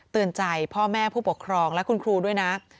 ใจพ่อแม่ผู้ปกครองและคุณครูด้วยนะ